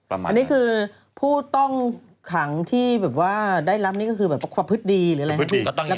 อันนี้คือผู้ต้องขังที่แบบว่าได้รับนี่ก็คือแบบความพฤติดีหรืออะไรครับ